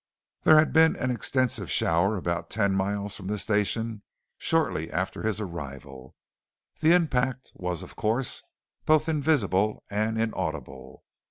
There had been an extensive shower about ten miles from the station shortly after his arrival. The impact was, of course, both invisible and inaudible.